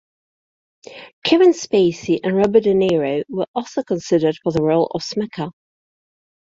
Kevin Spacey and Robert De Niro were also considered for the role of Smecker.